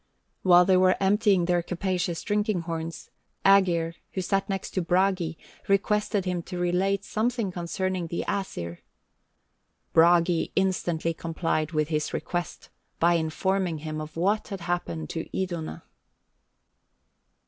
While they were emptying their capacious drinking horns, Ægir, who sat next to Bragi, requested him to relate something concerning the Æsir. Bragi instantly complied with his request, by informing him of what had happened to Iduna.